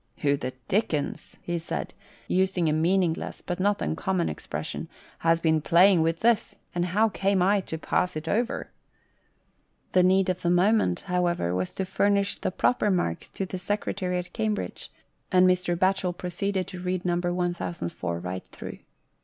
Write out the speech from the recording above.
" Who the dickens," he said, using a meaningless, but not uncommon expression, "has been playing with this; and how came I to pass it over?" The need of the moment, however, was to furnish the proper marks to the secretary at Cambridge, and Mr. Batchel proceeded to read No. 1004 right through.